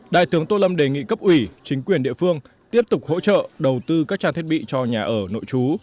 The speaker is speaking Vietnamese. đại tướng tô lâm đề nghị cấp ủy chính quyền địa phương tiếp tục hỗ trợ đầu tư các trang thiết bị cho nhà ở nội trú